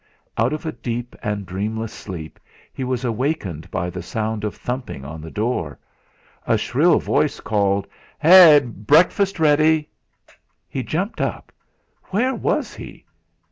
Out of a deep and dreamless sleep he was awakened by the sound of thumping on the door. A shrill voice called: "Hi! Breakfast's ready." He jumped up. Where was he